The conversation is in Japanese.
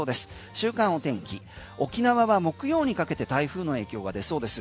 週間お天気、沖縄は木曜にかけて台風の影響が出そうです。